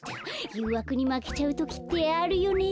ゆうわくにまけちゃうときってあるよね。